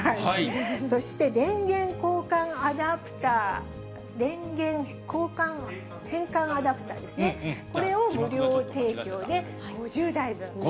そして、電源交換アダプター、電源変換アダプターですね、これを無料提供５０台。